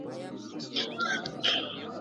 که موضوع واضحه وي نو څېړونکی په سمه لاره روان وي.